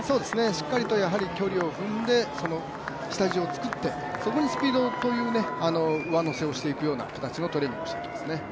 しっかりと距離を踏んで、下地を作ってそこにスピードという上乗せをしていくトレーニングをしていく感じです。